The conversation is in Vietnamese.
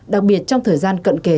đặc biệt trong thời gian cận kề